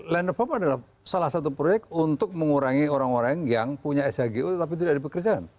land of hope adalah salah satu proyek untuk mengurangi orang orang yang punya shgo tapi tidak dipekerjakan